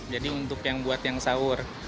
jadi untuk yang buat yang sahur